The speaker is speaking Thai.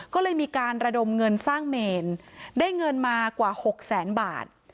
ก็เลยมีการระดมเงินสร้างเมนได้เงินมากว่า๖แสนบาท